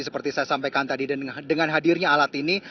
seperti saya sampaikan tadi dengan hadirnya alat ini